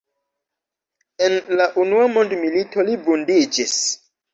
En la unua mondmilito li vundiĝis.